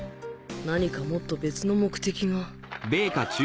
何かもっと別の目的が。